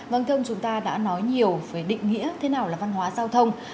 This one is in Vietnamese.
vâng thông chúng ta đã nói nhiều về định nghĩa thế nào là văn hóa giao thông